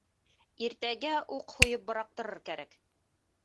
Иртәгә уҡ һуйып быраҡтырыр кәрәк.